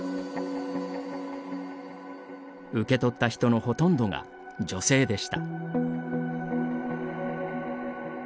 受け取った人のほとんどが女性でした。